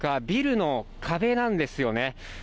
ビルの壁なんですよね。